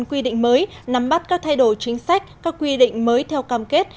quy định mới nắm bắt các thay đổi chính sách các quy định mới theo cam kết